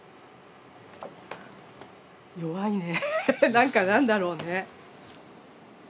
弱いね何か何だろうね。